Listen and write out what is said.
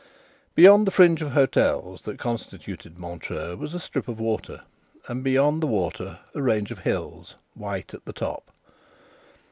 Beyond the fringe of hotels that constituted Montreux was a strip of water, and beyond the water a range of hills white at the top.